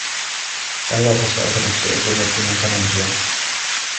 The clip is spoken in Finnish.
Tällaisessa asemassa joutuu miettimään sanomisiaan.